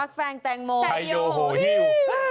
ปักแฟงแตงโมไทโนโฮฮิ่ว